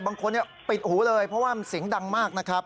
บางคนปิดหูเลยเพราะว่ามันเสียงดังมากนะครับ